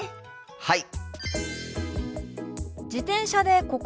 はい！